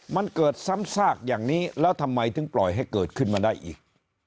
มันเกิดซ้ำซากอย่างนี้แล้วทำไมถึงปล่อยให้เกิดขึ้นมาได้อีก